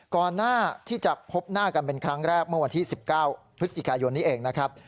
ก่อนหน้าที่จะพบหน้ากันเป็นครั้งแรกเมื่อวันที่๑๙พฤศจิกายนนี้เองนะครับ